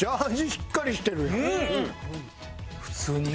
しっかりしてるやん！